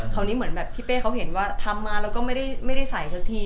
เหมือนแบบพี่เป้เขาเห็นว่าทำมาแล้วก็ไม่ได้ใส่สักที